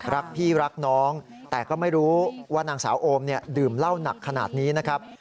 รักพี่รักน้องแต่ก็ไม่รู้ว่านางสาวโอมเนี่ยดื่มเหล้าหนักขนาดนี้นะครับ